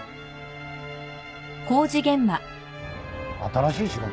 新しい仕事？